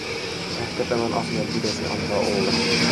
Ehkä tämän asian pitäisi antaa olla.